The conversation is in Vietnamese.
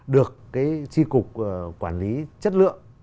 được cái tri cục quản lý chất lượng